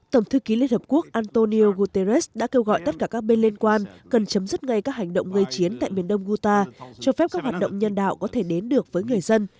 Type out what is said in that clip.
tổng thư ký liên hợp quốc antonio guterres đã kêu gọi tất cả các bên liên quan cần chấm dứt ngay các hành động gây chiến tại miền đông guta cho phép các hoạt động nhân đạo có thể đến được với người dân